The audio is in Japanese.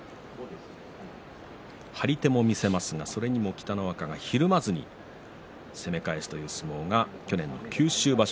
張り手も見せますが北の若はひるまずに攻め返したいう去年の九州場所